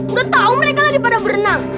udah tau mereka lagi pada berenang